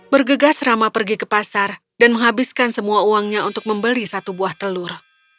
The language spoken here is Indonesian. bergegas rama pergi ke pasar dan menghabiskan semua uangnya untuk membeli satu buah telur